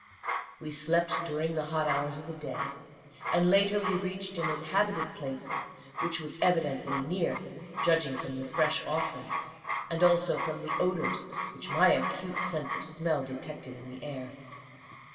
We slept during the hot hours of the day; and later we reached an inhabited place, which was evidently near, judging from the fresh offerings, and also from the odours which my acute sense of smell detected in the air.